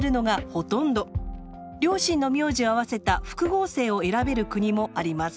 両親の名字を合わせた複合姓を選べる国もあります。